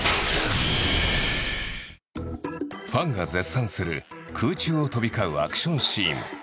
ファンが絶賛する空中を飛び交うアクションシーン。